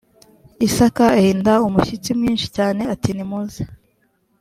isaka ahinda umushyitsi mwinshi cyane ati nimuze